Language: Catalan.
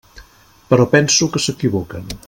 Però penso que s'equivoquen.